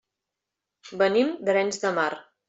Venim d'Arenys de Mar.